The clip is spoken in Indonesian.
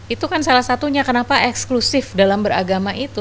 itu kan salah satunya kenapa eksklusif dalam beragama itu